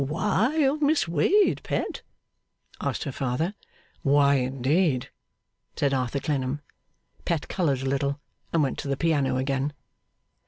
'Why of Miss Wade, Pet?' asked her father. 'Why, indeed!' said Arthur Clennam. Pet coloured a little, and went to the piano again.